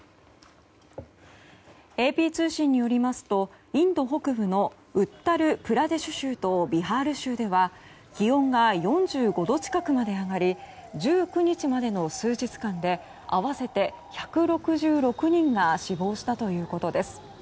ＡＰ通信によりますとインド北部のウッタル・プラデシュ州とビハール州では気温が４５度近くまで上がり１９日までの数日間で合わせて１６６人が死亡したということです。